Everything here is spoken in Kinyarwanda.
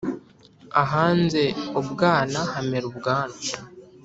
Ahanze ubwana hamera ubwanwa.